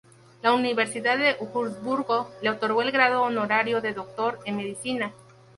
La Universidad de Wurzburgo le otorgó el grado honorario de Doctor en Medicina.